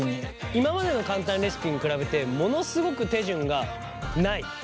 今までの簡単レシピに比べてものすごく手順がない。